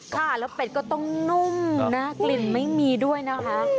ค่ะแล้วเป็ดก็ต้องนุ่มนะกลิ่นไม่มีด้วยนะคะ